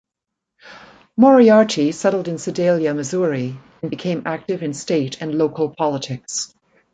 Moriarty settled in Sedalia, Missouri, and became active in state and local politics.